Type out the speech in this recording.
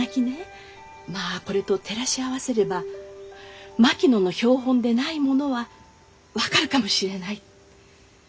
まあこれと照らし合わせれば槙野の標本でないものは分かるかもしれない。